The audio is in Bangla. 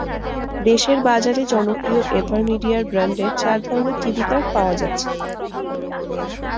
দেশের বাজারে জনপ্রিয় এভারমিডিয়ার ব্র্যান্ডের চার ধরনের টিভি কার্ড পাওয়া যাচ্ছে।